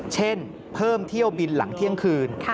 เช่นเพิ่มเที่ยวบินหลังเที่ยงคืน